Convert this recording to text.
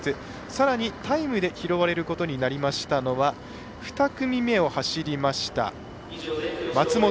さらに、タイムで拾われることになりましたのは２組目を走りました、松本。